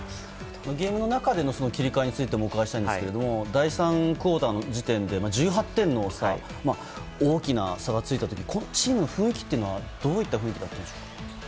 ゲームの中での切り替えについてもお伺いしたいんですけれど第３クオーターの時点で１８点という大きな差がついた時、チームの雰囲気ってどういった雰囲気だったんでしょうか。